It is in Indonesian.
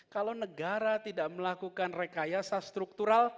kalau negara tidak melakukan rekayasa struktural